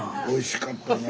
おいしかった。